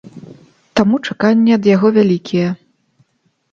Таму чаканні ад яго вялікія.